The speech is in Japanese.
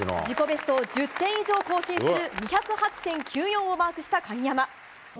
自己ベストを１０点以上更新する２０８．９４をマークした鍵山。